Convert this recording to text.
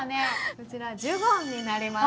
こちらジュゴンになります。